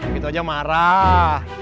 gitu aja marah